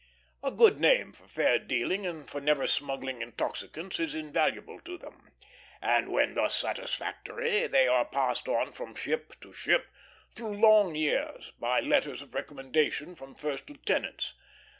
A good name for fair dealing, and for never smuggling intoxicants, is invaluable to them; and when thus satisfactory they are passed on from ship to ship, through long years, by letters of recommendation from first lieutenants.